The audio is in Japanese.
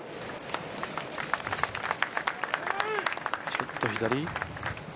ちょっと左？